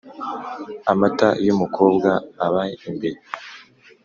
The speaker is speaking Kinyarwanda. Amata y’umukobwa aba imbere.